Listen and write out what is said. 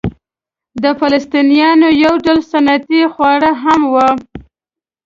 د فلسطنیانو یو ډول سنتي خواړه هم وو.